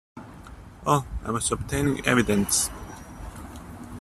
Oh, I was obtaining evidence.